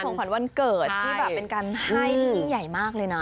ของขวัญวันเกิดที่แบบเป็นการให้ที่ยิ่งใหญ่มากเลยนะ